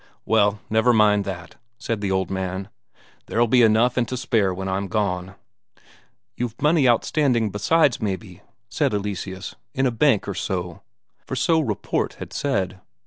"Well, never mind that," said the old man. "There'll be enough and to spare when I'm gone." "You've money outstanding besides, maybe?" said Eleseus. "In a bank, or so?" For so report had said.